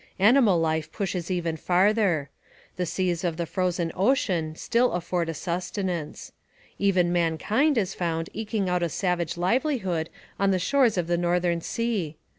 Animal life pushes even farther. The seas of the frozen ocean still afford a sustenance. Even mankind is found eking out a savage livelihood on the shores of the northern sea.